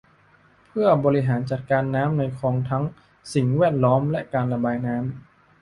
เพื่อบริหารจัดการน้ำในคลองทั้งเรื่องสิ่งแวดล้อมและการระบายน้ำ